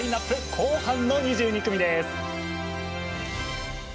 後半の２２組です。